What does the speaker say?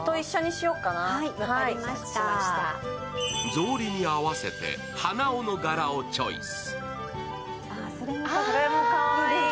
ぞうりに合わせて鼻緒の柄をチョイス。